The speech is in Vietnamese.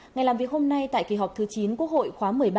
ngày làm việc hôm nay tại kỳ họp thứ chín quốc hội khóa một mươi ba